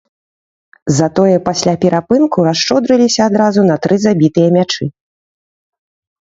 Затое пасля перапынку расшчодрыліся адразу на тры забітыя мячы.